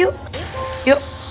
sekarang kita sholat yuk